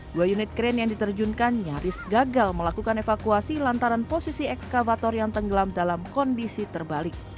dua unit kren yang diterjunkan nyaris gagal melakukan evakuasi lantaran posisi ekskavator yang tenggelam dalam kondisi terbalik